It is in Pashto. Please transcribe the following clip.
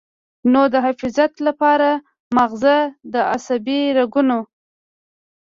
نو د حفاظت له پاره مازغۀ د عصبي رګونو